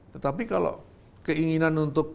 tetapi kalau keinginan untuk